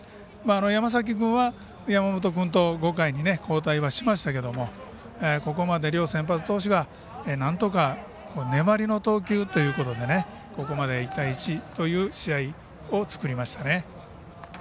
山崎君は、山本君と５回に交代はしましたけどここまで両先発投手がなんとか粘りの投球ということでここまで１対１という試合を作りましたね。